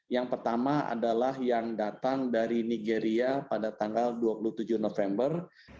yang pertama adalah yang datang dari nigeria pada tanggal dua puluh tujuh november